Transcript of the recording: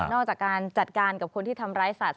จากการจัดการกับคนที่ทำร้ายสัตว